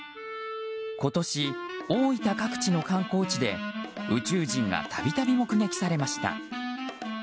今年、大分各地の観光地で宇宙人が度々目撃されました。